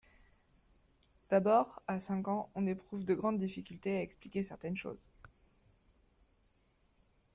D’abord, à cinq ans, on éprouve de grandes difficultés à expliquer certaines choses.